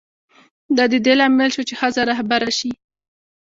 دا د دې لامل شو چې ښځه رهبره شي.